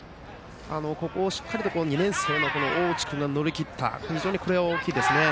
ここをしっかりと２年生の大内君が乗り切ったのは非常に大きいですね。